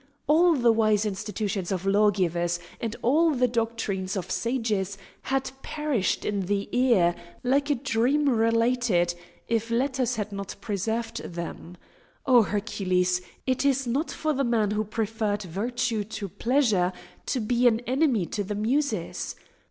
All the wise institutions of lawgivers and all the doctrines of sages had perished in the ear, like a dream related, if letters had not preserved them. Oh Hercules! it is not for the man who preferred virtue to pleasure to be an enemy to the muses.